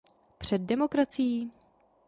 Před demokracií?